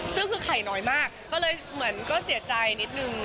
ซึ่งคือไข่น้อยมากก็เลยเหมือนก็เสียใจนิดนึง